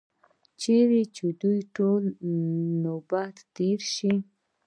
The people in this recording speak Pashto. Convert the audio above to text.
چې د دوی ټولو نوبت تېر شو.